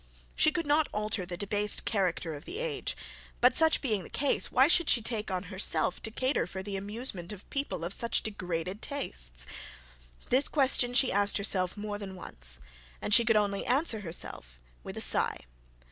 She could not alter the debased character of the age. But such being the case, why should she take on herself to cater for the amusement of people of such degraded tastes? This question she asked herself more than once, and she could only answer herself with a sigh.